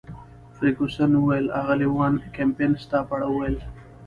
فرګوسن وویل: اغلې وان کمپن ستا په اړه ویل.